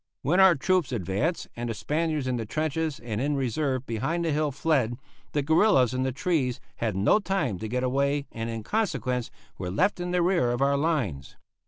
When our troops advanced and the Spaniards in the trenches and in reserve behind the hill fled, the guerillas in the trees had no time to get away and in consequence were left in the rear of our lines.